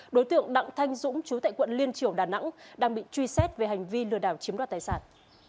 đối tượng đặng thanh dũng chú tại quận liên triều đà nẵng đang bị truy xét về hành vi lừa đảo chiếm đoạt tài sản